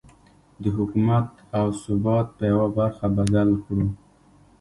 د حکومت او ثبات په يوه برخه بدل کړو.